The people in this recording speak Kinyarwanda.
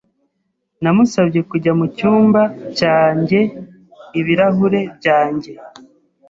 Namusabye kujya mucyumba cyanjye ibirahure byanjye.